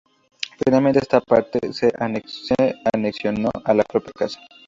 Finalmente, esta parte se anexionó a la propia casa.